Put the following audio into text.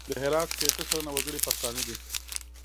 د هرات شپېته سلنه وګړي پښتانه دي.